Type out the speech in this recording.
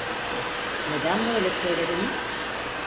Neden böyle söylediniz?